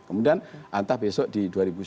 kemudian entah besok di dua ribu sembilan belas